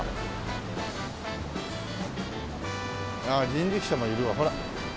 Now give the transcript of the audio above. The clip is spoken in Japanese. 人力車もいるわほら。